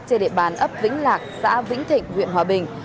trên địa bàn ấp vĩnh lạc xã vĩnh thịnh huyện hòa bình